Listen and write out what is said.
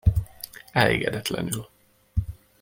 Elégedetlenül.